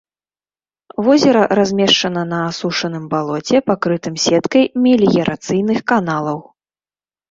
Возера размешчана на асушаным балоце, пакрытым сеткай меліярацыйных каналаў.